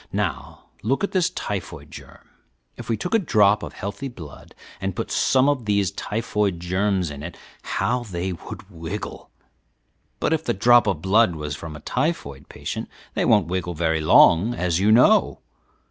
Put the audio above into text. Now look at this typhoid germ. If we took a drop of healthy blood and put some of these typhoid germs in it, how they would wiggle! but if the drop of blood was from a typhoid patient, they won't wiggle very long, as you know.